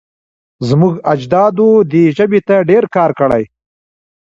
زموږ اجدادو دې ژبې ته ډېر کار کړی.